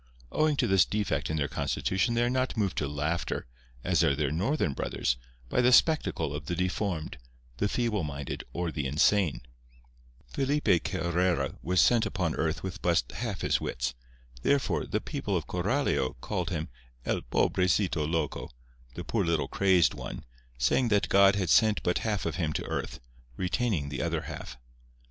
Owing to this defect in their constitution they are not moved to laughter (as are their northern brothers) by the spectacle of the deformed, the feeble minded or the insane. Felipe Carrera was sent upon earth with but half his wits. Therefore, the people of Coralio called him "El pobrecito loco"—"the poor little crazed one"—saying that God had sent but half of him to earth, retaining the other half.